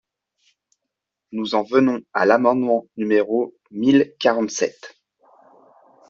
Nous en venons à l’amendement numéro mille quarante-sept.